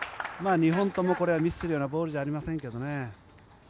２本ともこれはミスするようなボールじゃありませんけどね。